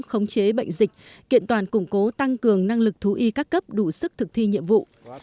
khống chế bệnh dịch kiện toàn củng cố tăng cường năng lực thú y các cấp đủ sức thực thi nhiệm vụ